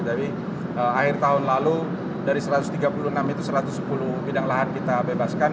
tapi akhir tahun lalu dari satu ratus tiga puluh enam itu satu ratus sepuluh bidang lahan kita bebaskan